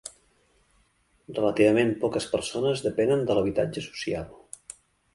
Relativament poques persones depenen de l'habitatge social.